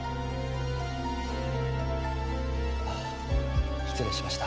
あっ失礼しました。